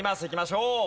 いきましょう。